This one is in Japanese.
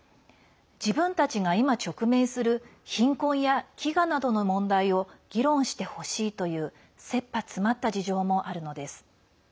自分たちが今、直面する貧困や飢餓などの問題を議論してほしいというせっぱ詰まった事情もあるのです。